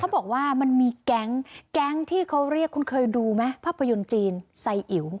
บอกว่ามันมีแก๊งแก๊งที่เขาเรียกคุณเคยดูไหมภาพยนตร์จีนไซอิ๋ว